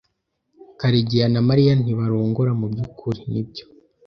Karegeya na Mariya ntibarongora mubyukuri, nibyo?